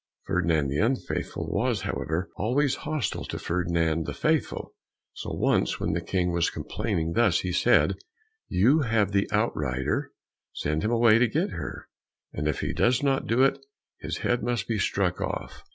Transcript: Ferdinand the Unfaithful was, however, always hostile to Ferdinand the Faithful. So once, when the King was complaining thus, he said, "You have the outrider, send him away to get her, and if he does not do it, his head must be struck off."